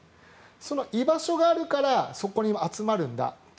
その居場所があるからそこに集まるんだ。